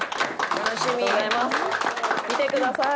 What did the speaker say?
見てください！